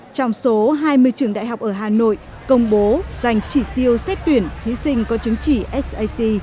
trong số hai mươi trường đại học ở hà nội công bố dành chỉ tiêu xét tuyển thí sinh có chứng chỉ sat